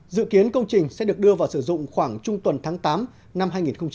dự kiến công trình sẽ được đưa vào sử dụng khoảng trung tuần tháng tám năm hai nghìn hai mươi